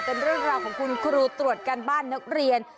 เป็นเรื่องราวของคุณครูตรวจการบ้านนักเรียน